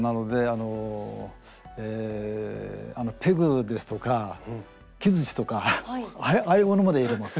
あのペグですとか木づちとかああいうものまで入れます。